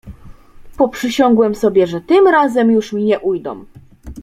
"Poprzysiągłem sobie, że tym razem już mi nie ujdą."